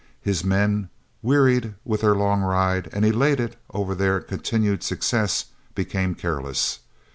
His men, wearied with their long ride, and elated over their continued success, became careless.